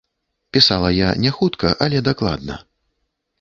Пісала я няхутка, але дакладна.